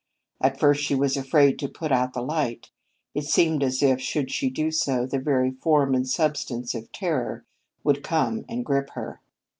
At first she was afraid to put out the light. It seemed as if, should she do so, the very form and substance of Terror would come and grip her.